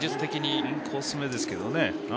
インコースめですけど。